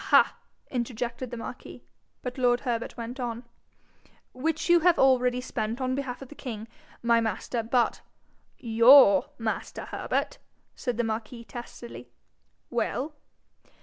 ha!' interjected the marquis, but lord Herbert went on 'which you have already spent on behalf of the king, my master, but ' 'YOUR master, Herbert!' said the marquis, testily. 'Well?'